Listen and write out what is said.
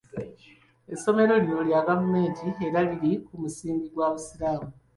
Essomero lino lya gavumenti era liri ku musingi gwa busiraamu.